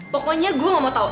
pokoknya gue gak mau tahu